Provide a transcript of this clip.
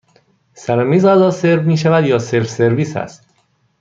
سر میز غذا سرو می شود یا سلف سرویس هست؟